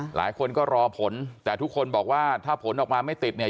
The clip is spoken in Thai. หลายคนก็รอผลแต่ทุกคนบอกว่าถ้าผลออกมาไม่ติดเนี่ย